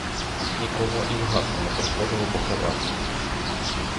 Нікому і в гадку не приходило поховати їх.